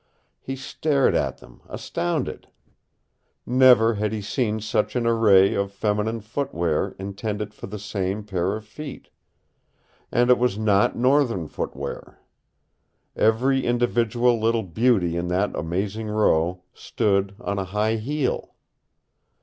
He stared at them, astounded. Never had he seen such an array of feminine footwear intended for the same pair of feet. And it was not Northern footwear. Every individual little beauty in that amazing row stood on a high heel!